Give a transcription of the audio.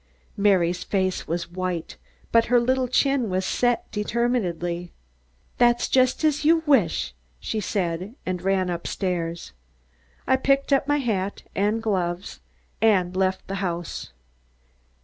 Mary's face was white, but her little chin was set determinedly. "That's just as you wish," she said, and ran up stairs. I picked up my hat and gloves and left the house.